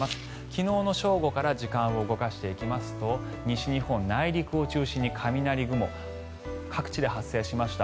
昨日の正午から時間を動かしていきますと西日本、内陸を中心に雷雲が各地で発生しました。